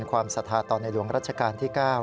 ความศรัทธาต่อในหลวงรัชกาลที่๙